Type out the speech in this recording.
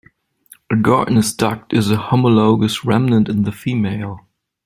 A Gartner's duct is a homologous remnant in the female.